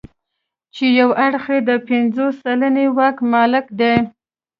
چې یو اړخ یې د پنځوس سلنه واک مالک دی.